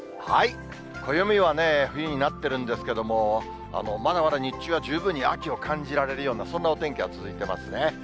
暦は冬になってるんですけれども、まだまだ日中は十分に秋を感じられるような、そんなお天気が続いていますね。